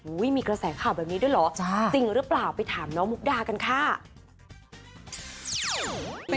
มีกระแสข่าวแบบนี้ด้วยเหรอจริงหรือเปล่าไปถามน้องมุกดากันค่ะ